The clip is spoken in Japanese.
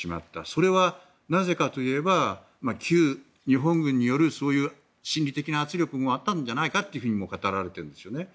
それは、なぜかといえば旧日本軍による心理的な圧力もあったんじゃないかというふうにも語られているんですね。